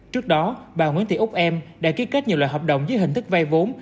trước đó bà nguyễn thị úc em đã ký kết nhiều loại hợp đồng dưới hình thức vay vốn